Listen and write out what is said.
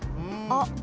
あっ。